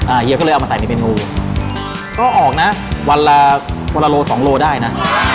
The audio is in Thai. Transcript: เฮียก็เลยเอามาใส่ในเมนูก็ออกนะวันละวันละโลสองโลได้นะ